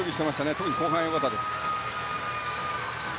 特に後半が良かったです。